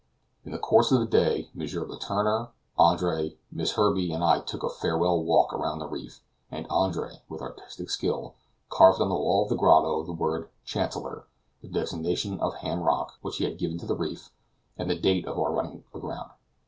In the course of the day, M. Letourneur, Andre, Miss Herbey, and I took a farewell walk round the reef, and Andre, with artistic skill, carved on the wall of the grotto the word Chancellor the designation of Ham Rock, which we had given to the reef and the date of our running aground.